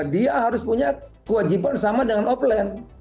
dia harus punya kewajiban sama dengan offline